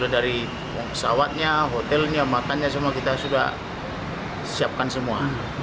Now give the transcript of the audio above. dari pesawatnya hotelnya makannya semua kita sudah siapkan semua